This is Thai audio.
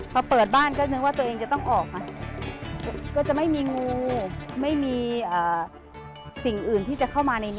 พอเปิดบ้านก็นึกว่าตัวเองจะต้องออก